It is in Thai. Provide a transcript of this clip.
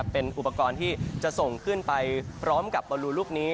เป็นอุปกรณ์ที่จะส่งขึ้นไปพร้อมกับบอลลูลูกนี้